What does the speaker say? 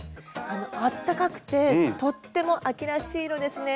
あったかくてとっても秋らしい色ですね。